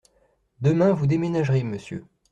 Demain, vous déménagerez, monsieur.